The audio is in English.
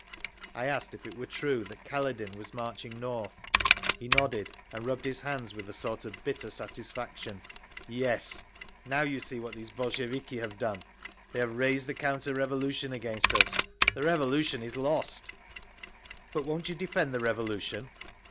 I asked if it were true that Kaledin was marching north. He nodded, and rubbed his hands with a sort of bitter satisfaction. "Yes. Now you see what these Bolsheviki have done. They have raised the counter revolution against us. The Revolution is lost. The Revolution is lost." "But won't you defend the Revolution?"